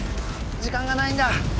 時間がないんだ。